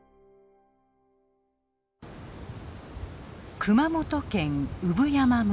熊本県産山村。